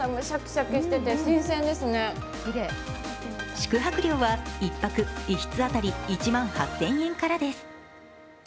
宿泊料は１泊１室当たり１万８０００円からです。